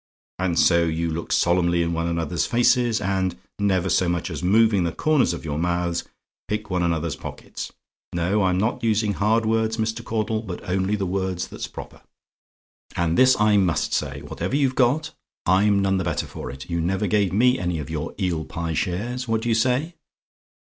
And so you look solemnly in one another's faces, and, never so much as moving the corners of your mouths, pick one another's pockets. No, I'm not using hard words, Mr. Caudle but only the words that's proper. "And this I MUST say. Whatever you've got, I'm none the better for it. You never give me any of your Eel Pie shares. What do you say?